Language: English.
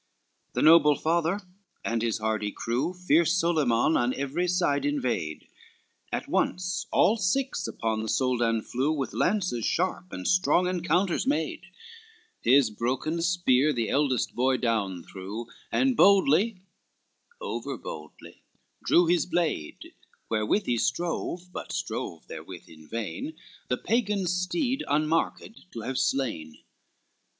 XXX The noble father and his hardy crew Fierce Solyman on every side invade, At once all six upon the Soldan flew, With lances sharp, and strong encounters made, His broken spear the eldest boy down threw, And boldly, over boldly, drew his blade, Wherewith he strove, but strove therewith in vain, The Pagan's steed, unmarked, to have slain.